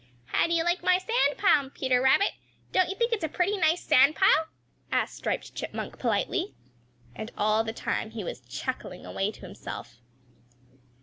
"How do you like my sand pile, Peter Rabbit? Don't you think it is a pretty nice sand pile?" asked Striped Chipmunk politely. And all the time he was chuckling away to himself.